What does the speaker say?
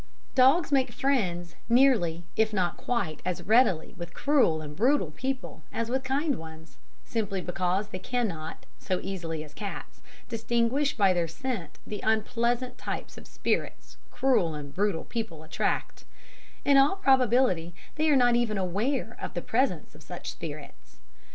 Dogs make friends nearly, if not quite, as readily with cruel and brutal people as with kind ones, simply because they cannot, so easily as cats, distinguish by their scent the unpleasant types of spirits cruel and brutal people attract; in all probability, they are not even aware of the presence of such spirits.